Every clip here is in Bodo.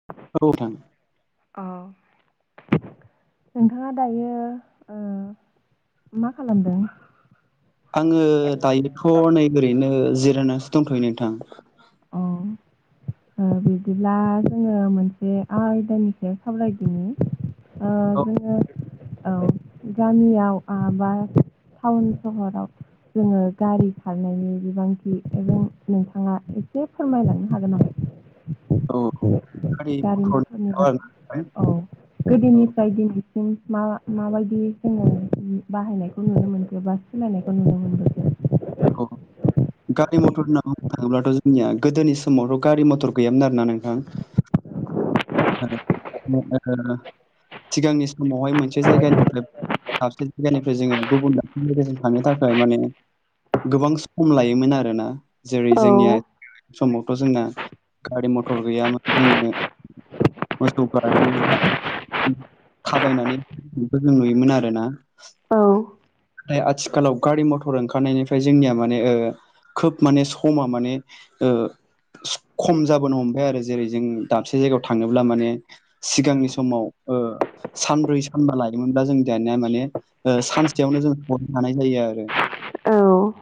[unintelligible] औ नोंथां। अ नोंथाङा दायो ओ मा खालामदों? आङो दायोथ' नै ओरैनो जिरायनानैसो दंथ'यो नोंथां। अ ओ बिदिब्ला जोङो मोनसे आयदानि सायाव सावरायदिनि ओ औ जोङो औ गामियाव बा टाउन सहराव जोङो गारि खारनायनि बिबांथि एबा नोंथाङा एसे फोरमायलांनो हागोन आरों गारि मथरनि [unintelligible] [unintelligible] औ औ गोदोनिफ्राय दिनैसिम [unintelligible] माबायदि जोङो बाहायनायखौ नुनो मोनबोबाय? सोलायनायखौ नुनो मोनबो [unintelligible] गारि मथर होनना बुंनो थाङोब्लाथ' जोंनिया गोदोनि समावथ' गारि मथर गैयामोन आरोना नोंथां। सिगांनि समावहाय मोनसे जायगानिफ्राय दाबसे जायगानिफ्राय जोङो गुबुन दाबसे जायगसिम थांनो थाखाय माने गोबां सम लायोमोन आरोना। जेरै जोंनिया औ [unintelligible] समावथ' जोंना गारि मथर गैयामोन जोङो मोसौ गारि एबा थाबायनानै [unintelligible] जों नुयोमोन आरोना [unintelligible] आथिखालाव गारि मथर ओंखारनायनिफ्राय जोंनिया माने खोब माने समा माने ओ खम जाबोनो हमबाय आरो जेरै जों दाबसे जायगायाव थांनोब्ला माने सिगांनि समाव ओ सानब्रै सानबा लायोमोनब्ला जों दानिया माने ओ सानसेयावनो जों हरनो हानाय जायो आरो। औ।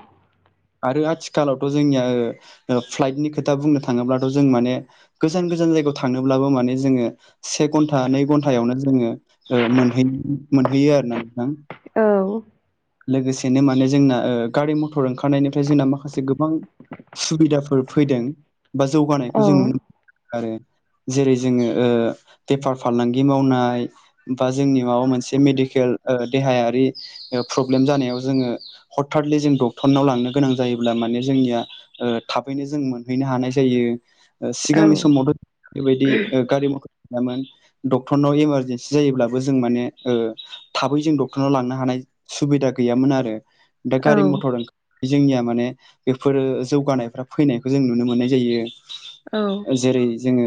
आरो आथिखालावथ' जोंनिया फ्लाइटनि खोथा बुंनो थाङोब्लाथ' जों माने गोजान गोजान जायगायाव थांनोब्लाबो माने जोङो से घन्टा नै घन्टायावनो जोङो मोनहै मोनहैयो आरो ना नोंथां। औ। लोगोसेनो माने जोंना गारि मथर ओंखारनायनिफ्राय जोंना माखासे गोबां सुबिदाफोर फैदों बा औ जौगानायखौ जों नुनो मोनो आरो जेरै जोङो ओ बेफार फालांगि मावनाय बा जोंनि माबा मोनसे मेडिकेल देहायारि प्रब्लेम जानायाव जोङो हथादलि जों डक्टरनाव लांनो गोनां जायोब्ला माने जोंनिया ओ थाबैनो जों मोनहैनो हानाय जायो। सिगांनि समावथ' बेबायदि ओ गारि मथर गैयामोन डक्टरनाव इमारजेन्सि जायोब्लाबो जों माने ओ थाबै जों डक्टरनाव लांनो हानाय सुबिदा गैयामोन आरो दा औ गारि मथर बे जोंनिया माने बेफोरो जौगानायफ्रा फैनायखौ जों नुनो मोननाय जायो। औ जेरै जोङो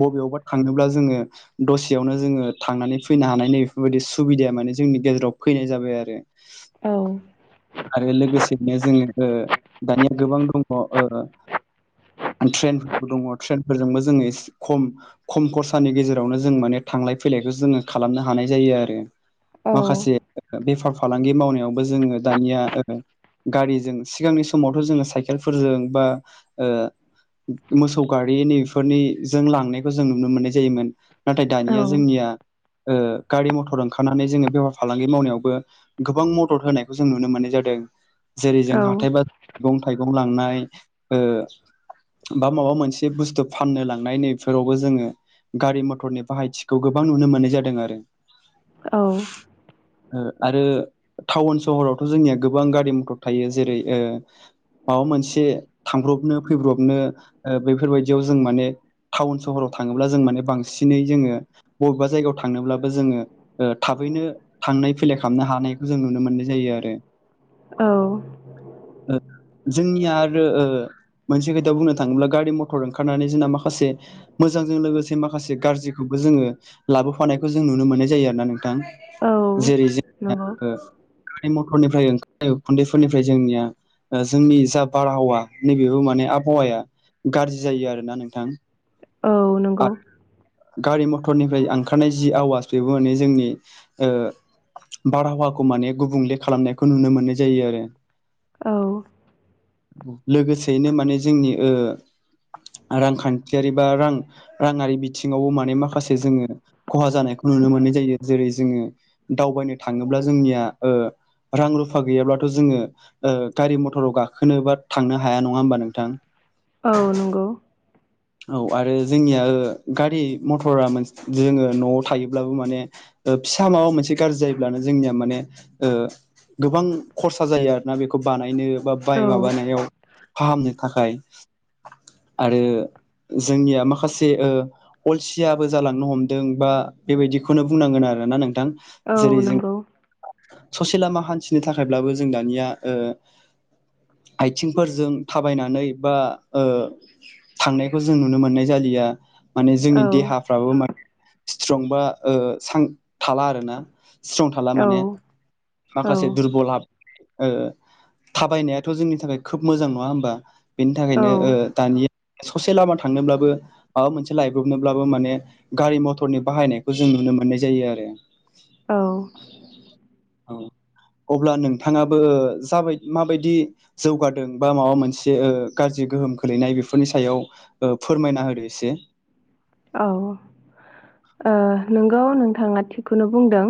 बबेयावबा थाङोब्ला जोङो दसेयावनो जोङो थांनानै फैनो हानाय नै बेफोरबायदि सुबिदाया माने जोंनि गेजेराव फैनाय जाबाय आरो। आरो लोगोसेनो जोङो दानिया गोबां दङ ट्रेनबो दङ ट्रेनफोरजोंबो जोङो एसे खम खम खरसानि गेजेरावनो जों माने थांलाय फैलायखौ जोङो खालामनो हानाय जायो आरो माखासे ओ बेफार फालांगि मावनायावबो जोङो दानिया ओ गारिजों सिगांनि समावथ' जोङो साइकेलफोरजों बा ओ ओ मोसौ गारिनि फोरनिजों लांनायखौ जों नुनो मोननाय जायोमोन। नाथाय औ दानिया जोंनिया ओ गारि मथर ओंखारनानै जोङो बेफार फालांगि मावनायावबो गोबां मदद होनायखौ जों नुनो मोननाय जादों जेरै औ जों हाथाय बा मैगं थाइगं लांनाय ओ बा माबा मोनसे बुस्थु फाननो लांनाय नैफोरावबो जोङो गारि मथरनि बाहायथिखौ गोबां नुनो मोननाय जादों आरो औ ओ आरो थाउन सहरावथ' जोंनिया गोबां गारि मथर थायो जेरै ओ माबा मोनसे थांब्रबनो फैब्रबनो ओ बेैफोरबायदियाव जों माने थाउन सहराव थाङोब्ला जों माने बांसिनै जोङो बबेबा जायगायाव थांनोब्लाबो जोङो ओ थाबैनो थांनाय फैलाय खालामनो हानायखौ जों नुनो मोननाय जायो आरो ओ जोंनिया आरो ओ मोनसे खोथा बुंनो थाङोब्ला गारि मथर ओंखारनानै जोंना माखासे मोजांजों लोगोसे माखासे गारजिखौबो जोङो लाबोफानायखौ जों नुनो मोननाय जायो आरो ना नोंथां जेरै जोंनिया ओ गारि मथरनिफ्राय ओंखार उखुन्दैफोरनिफ्राय जोंनिया ओ जोंनि जा बारहावा नैबेबो माने आबहावाया गारजि जायो आरोना नोंथां औ नंगौ। आरो गारि मथरनिफ्राय ओंखारनाय जि आवाज बेबो माने जोंनि ओ बारहावाखौ माने गुबुंले खालामनायखौ नुनो मोननाय जायो आरो औ लोगोसेयैनो माने जोंनि ओ रांखान्थियारि बा रां राङारि बिथिङावबो माने माखासे जोङो खहा जानायखौ नुनो मोननाय जायो जेरै जोङो दावबायनो थाङोब्ला जोंनिया ओ रां रुफा गैयाब्लाथ' जोङो ओ गारि मथराव गाखोनो बा थांनो हाया नङा होमबा नोंथां? औ नंगौ। औ आरो जोंनिया ओ गारि मथरा मोनस जोङो न'आव थायोब्लाबो माने ओ फिसा माबा मोनसे गाज्रि जायोब्लानो जोंनिया माने ओ गोबां खरसा जायो आरोना बेखौ बानायनो बा औ बाय माबानायाव फाहामनो थाखाय आरो जोंनिया माखासे ओ अलसियाबो जालांनो हमदों बा बेबायदिखौनो बुंनांगोन आरोना नोंथां औ जेरै जों नंगौ ससे लामा हान्थिनो थाखायब्लाबो जों दानिया ओ आइथिंफोरजों थाबायनानै बा ओ थांनायख खौ जों नुनो मोननाय जालिया माने औ जोंनि देहा फ्राबो मा स्ट्रंबा ओ सां थाला आरोना स्ट्रं थाला औ माने औ माखासे दुरबल हाब ओ थाबायनायाथ' जोंनि थाखाय खोब मोजां नङा होमबा बेनि थाखायनो ओ दानि ससे लामा थांनोब्लाबो माबा मोनसे लायब्रबनोब्लाबो माने गारि मथरनि बाहायनायखौ जों नुनो मोननाय जायो आरो औ अ अब्ला नोंथाङाबो जाबाय माबायदि जौगादों बा माबा मोनसे ओ गाज्रि गोहोम खोलैनाय बेफोरनि सायाव ओ फोरमायना होदो एसे औ ओ नंगौ नोंथाङा थिगखौनो बुंदों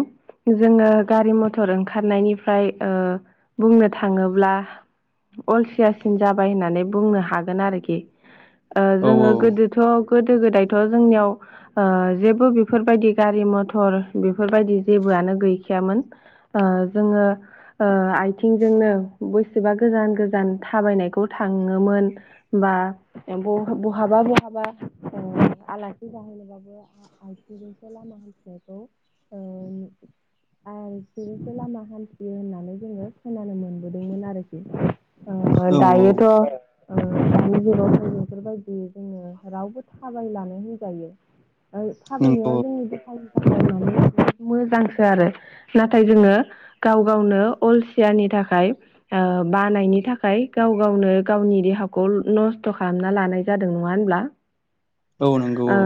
जोङो गारि मथर ओंखारनायनिफ्राय ओ बुंनो थाङोब्ला अलसियासिन जाबाय होननानै बुंनो हागोन आरोखि ओ औ जोङो गोदोथ' गोदो गोदायथ' जोंनियाव ओ जेबो बेफोरबायदि गारि मथर बेफोरबायदि जेबोआनो गैखायामोन। ओ जोङो ओ आथिंजोंनो बेसेबा गोजान गोजान थाबायनायखौ थाङोमोन। बा बहाबा बहाबा आलासि जाहोननोबाबो आथिंजोंसो लामा हान्थिनायखौ ओ आरो [unintelligible] लामा हान्थियो होननानै जोङो खोनानो मोनबोदोंमोन आरोखि। ओ औ दायोथ' ओ दानि जुगाव बेफोरबायदि जोङो रावबो थाबायलानो होनजायो। ओ नंगौ थाबायनाया जोंनि बे [unintelligible] [inaudible] मोजांसो आरो नाथाय जोङो गाव गावनो अलसियारनि थाखाय ओ बानायनि थाखाय गाव गावनो गावनि देहाखौ नस्थ' खालामना लानाय जादों नङा होनब्ला? औ नंगौ ओ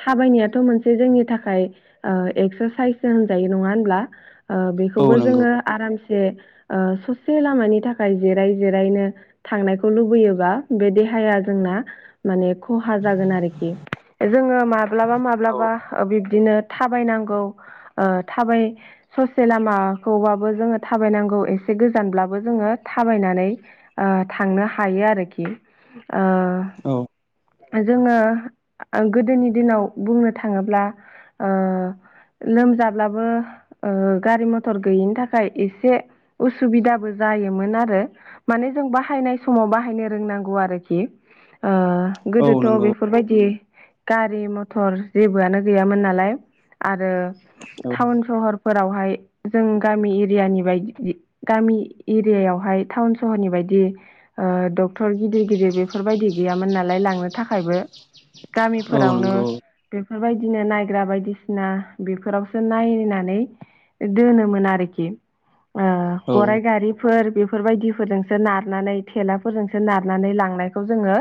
थाबायनायाथ' मोनसे जोंनि थाखाय ओ एक्सारसाइस होनजायो नङा होनब्ला? ओ औ बेखौबो नंगौ जोङो आरामसे ओ ससे लामानि थाखाय जिराय जिरायनो थांनायखौ लुबैयोबा बे देहाया जोंना माने खहा जागोन आरोखि। जोङो माब्लाबा औ माब्लाबा बिब्दिनो थाबायनांगौ ओ थाबाय ससे लामाखौबाबो जोङो थाबायनांगौ एसे गोजानब्लाबो जोङो थाबायनानै ओ थांनो हायो आरोखि। औ ओ जोङो ओ गोदोनि दिनाव बुंनो थाङोब्ला ओ लोमजाब्लाबो ओ गारि मथर गैयिनि थाखाय एसे उसुबिदाबो जायोमोन आरो। माने जों बाहायनाय समाव बाहायनो रोंनांगौ आरोखि। ओ औ गोदोथ' नंगौ बेफोरबाय [unintelligible] गारि मथर जेबोआनो गैयामोन नालाय आरो औ टाउन सहरफोरावहाय जों गामि एरियानि बायदि गामि एरियायावहाय टाउन सहरनि बायदि ओ डक्टर गिदिर गिदिर बेफोरबायदि गैयामोन नालाय लांनो थाखायबो औ गामिफोरावनो नंगौ बेफोरबायदिनो नायग्रा बायदिसिना बेफोरावसो नायनानै दोनोमोन आरोखि। ओ औ गराइ गारिफोर बेफोरबायदिफोरजोंसो नारनानै थेलाफोरजोंसो नारनानै लांनाय खौ जोङो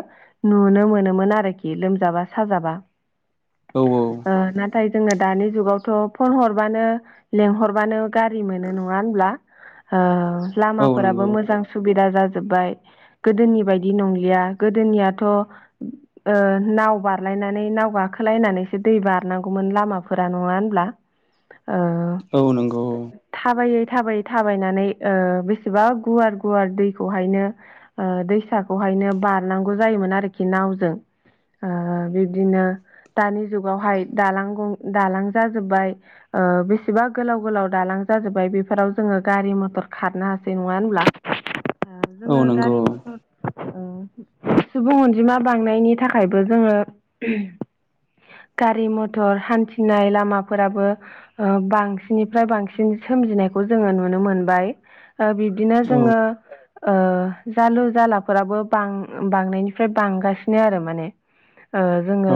नुनो मोनोमोन आरोखि लोमजाबा साजाबा। औ औ ओ नाथाय जोंनो दानि जुगावथ' फन हरबानो लेंहरबानो गारि मोनो नङा होनब्ला ओ लामाफोराबो नंगौ मोजां सुबिदा जाजोबाय गोदोनि बायदि नंलिया गोदोनियाथ' ओ नाव बारलायनानै नाव गाखोलायनानैसो दै बारनांगौमोन लामाफोरा नङा होनब्ला? ओ औ नंगौ। थाबायै थाबायै थाबायनानै बेसेबा गुवार गुवार दैखौहायनो ओ दैसाखौहायनो बारनांगौ जायोमोन आरोखि नावजों। ओ बिब्दिनो दानि जुगावहाय दालां ग दालां जाजोबाय। ओ बेसेबा गोलाव गोलाव दालां जाजोब्बाय बेफोराव जोङो गारि मथर खारनो हासै नङा होनब्ला? [inaudible] ओ औ जोङो नंगौ गारि मथर ओ सुबुं अनजिमा बांनायनि था खायबो जोङो गारि मथर हान्थिनाय लामाफोराबो ओ बांसिननिफ्राय बांसिन सोमजिनायखौ जोङो नुनो मोनबाय। ओ बिब्दिनो औ जोङो जालु जालाफोराबो बां-बांनायनिफ्राय बांगासिनो आरो माने ओ जोंनो औ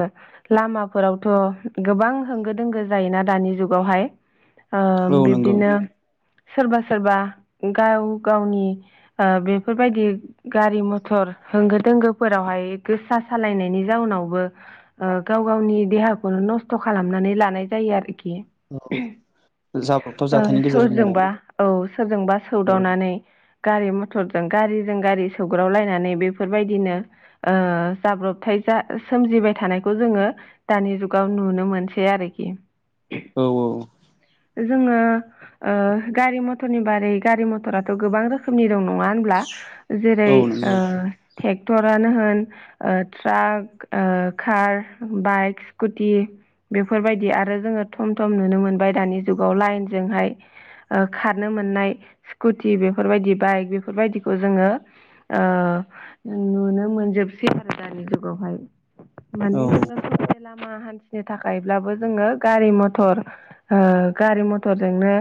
लामाफोरावथ' गोबां होंगो दोंगो जायोना दानि जुगावहाय ओ औ औ नंगौ बिब्दिनो सोरबा सोरबा गाव गावनि ओ बेफोरबायदि गारि मथर होंगो दोंगोफोरावहाय गोसा सालायनाय नि जाउनावबो गाव गावनि देहाखौनो नस्थ' खालामनानै लानाय जायो आरोखि औ ऐ सोरजोंबा औ सोरजोंबा सौदावनानै गारि मथरजों गारिजों गारि सौग्रावलायनानै बेफोरबायदिनो ओ जाब्रबथाय जा सोमजिबाय थानायखौ जोङो दानि जुगाव नुनो मोनसै आरोखि औ औ जोङो गारि मथरनि बारै गारि मथराथ' गोबां रोखोमनि दं नङा होनब्ला जेरै औ ओ नंगौ ट्रेक्टरानो होन ओ ट्राक ओ खार बाइक स्कुटि बेफोरबायदि आरो जोङो थम थम नुनो मोनबाय दानि जुगाव लाइनजोंहाय ओ खारनो मोननाय स्कुटि बेफोरबायदि बाइक बेफोरबायदिखौ जोङो ओ नुनो मोनजोबसै आरो दानि जुगावहाय माने औ जोंनो ससे लामा हान्थिनो थाखायब्लाबो जोङो गारि मथर ओ गारि मथरजोंनो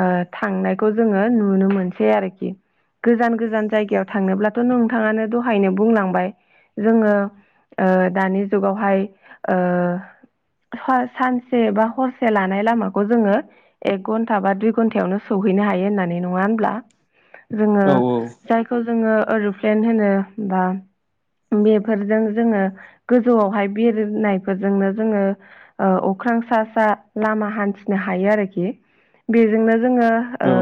ओ थांनायखौ जोङो नुनो मोनसै आरोखि गोजान गोजान जायगायाव थांनोब्लाथ' नोंथाङानो दहायनो बुंलांबाय जोङो ओ दानि जुगावहाय ओ सा-सानसे बा हरसे लानाय लामाखौ जोङो एक घन्टा बा दुइ घन्टायावनो सौहैनो हायो होननानै नङा होमब्ला जोङो औ जायखौ जोङो ओरुप्लेन होनो बा मेब फोरजों जोङो गोजौआवहाय बिरनायफोरजोंनो जोङो ओ अख्रां सा सा लामा हान्थिनो हायो आरोखि बेजोंनो जोङो ओ औ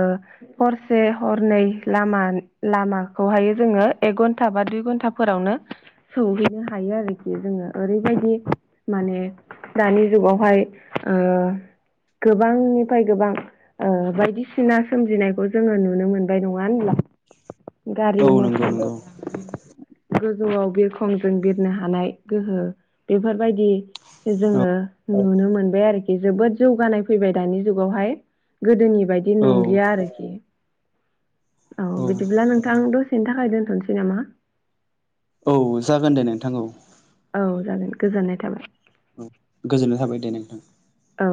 हरसे हरनै लामान लामाखौहाय जोङो एक घन्टा बा दुइ घन्टाफोरावनो सौहैनो हायो आरोखि जोङो ओरैबायदि माने दानि जुगावहाय गोबांनिफाय गोबां बायदिसिना सोमजिनायखौ जोङो नुनो मोनबाय नङा होनब्ला गारि औ नंगौ मथरनिफाय नंगौ लानानै गोजौआव बिरखंजों बिरनो हानाय गोहो बेफोरबायदि जे औ जोङो नुनो मोनबाय आरोकि जोबोद जौगानाय फैबाय दानि जुगावहाय गोदोनि बायदि औ नंलिया आरोकि औ बिदिब्ला नोंथां दसेनि थाखाय दोनथ'नोसै नामा औ जागोन दे नोंथां औ औ जागोन गोजोननाय थाबाय औ गोजोननाय थाबाय दे नोंथां औ